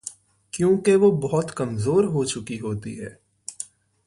کیونکہ وہ بہت کمزور ہو چکی ہوتی ہیں